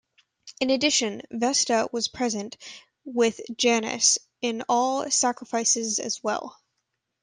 In addition, Vesta was present with Janus in all sacrifices as well.